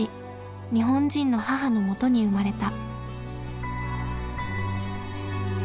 日本人の母のもとに生まれた。